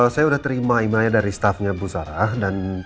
saya udah terima imannya dari staffnya bu zara dan